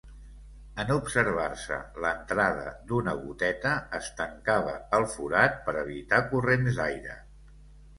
En observar-se l'entrada d'una goteta es tancava el forat per evitar corrents d'aire.